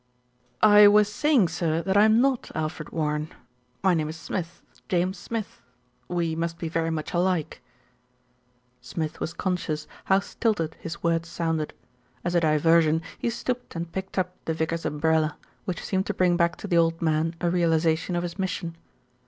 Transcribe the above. "I was saying, sir, that I am not Alfred Warren. My name is Smith, James Smith. We must be very much alike." Smith was conscious how stilted his words sounded. As a diversion he stooped and picked up the vicar's umbrella, which seemed to bring back to the old man a realisation of his mission.